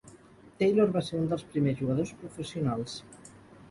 Taylor va ser un dels primers jugadors professionals.